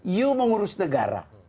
you mengurus negara